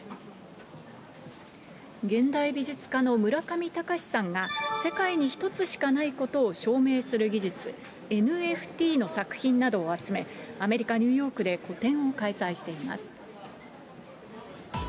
現代美術家の村上隆さんが、世界に１つしかないことを証明する技術、ＮＦＴの作品などを集め、アメリカ・ニューヨークで個展を開催しています。